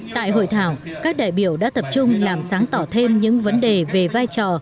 tại hội thảo các đại biểu đã tập trung làm sáng tỏ thêm những vấn đề về vai trò